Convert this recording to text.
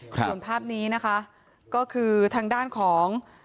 ส่วนภาพนี้นะคะก็คือทางด้านของ